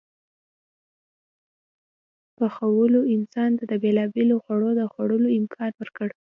پخولو انسان ته د بېلابېلو خوړو د خوړلو امکان ورکړ.